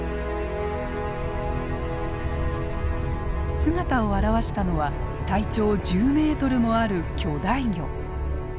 姿を現したのは体長１０ｍもある巨大魚。